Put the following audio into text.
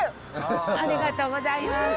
ありがとうございます。